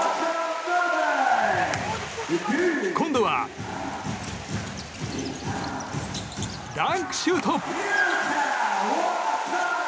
今度は、ダンクシュート！